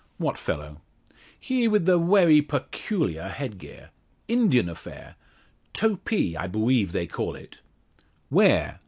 "What fellow?" "He with the vewy peculya head gear? Indian affair topee, I bewieve they call it." "Where?"